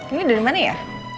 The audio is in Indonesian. ini dari mana ya